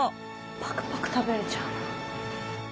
パクパク食べれちゃうな。